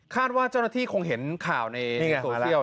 ว่าเจ้าหน้าที่คงเห็นข่าวในโซเชียล